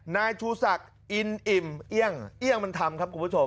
นายชูศักดิ์อินอิ่มเอี่ยงเอี่ยงมันทำครับคุณผู้ชม